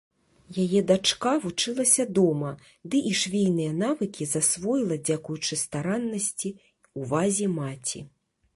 Яе дачка вучылася дома, ды і швейныя навыкі засвоіла дзякуючы стараннасці, увазе маці.